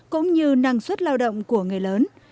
cũng như năng suất lao động của người lớn